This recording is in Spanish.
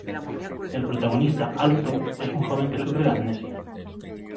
El protagonista Alto es un joven que sufre de amnesia.